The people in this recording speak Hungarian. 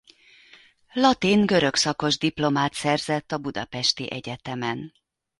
Latin-görög szakos diplomát szerzett a budapesti egyetemen.